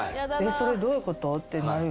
どういうこと？ってなるよね。